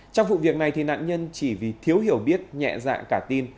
trong vụ việc này nạn nhân chỉ vì thiếu hiểu biết nhẹ dạng cả tin